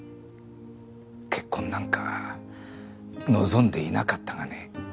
結婚なんか望んでいなかったがね。